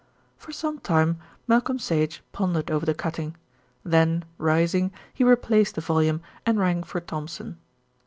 For some time Malcolm Sage pondered over the cutting, then rising he replaced the volume and rang for Thompson.